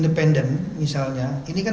boleh ditek audi